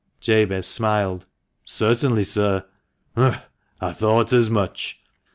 " Jabez smiled. "Certainly, sir." " Humph ! I thought as much !